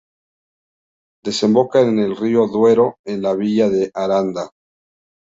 Desemboca en el río Duero en la villa de Aranda.